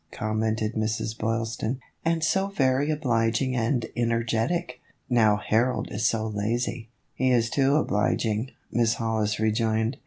commented Mrs. Boylston ;" and so very obliging and energetic. Now Harold is so lazy." " He is too obliging," Miss Hollis rejoined.